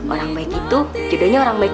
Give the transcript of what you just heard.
orang baik itu judulnya orang baik